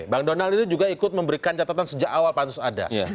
bang donald ini juga ikut memberikan catatan sejak awal pansus ada